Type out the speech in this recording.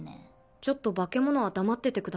ちょっと化け物は黙っててください。